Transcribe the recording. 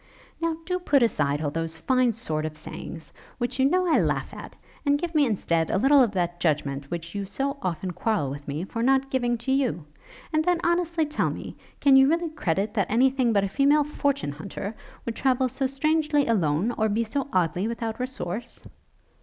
'Now do put aside all those fine sort of sayings, which you know I laugh at, and give me, instead, a little of that judgment which you so often quarrel with me for not giving to you; and then honestly tell me, can you really credit that any thing but a female fortune hunter, would travel so strangely alone, or be so oddly without resource?'